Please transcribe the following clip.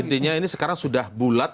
intinya ini sekarang sudah bulat